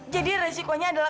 jadi resikonya adalah